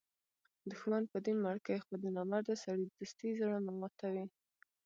دوښمن به دي مړ کي؛ خو د نامرده سړي دوستي زړه ماتوي.